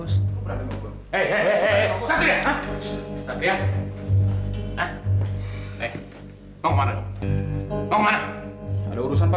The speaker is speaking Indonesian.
selamat pak sampi